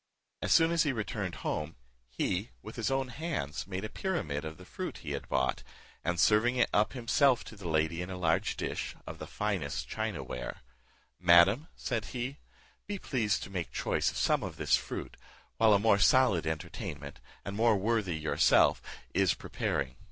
As soon as he returned home, he with his own hands made a pyramid of the fruit he had bought, and serving it up himself to the lady in a large dish, of the finest china ware, "Madam," said he, "be pleased to make choice of some of this fruit, while a more solid entertainment, and more worthy yourself, is preparing."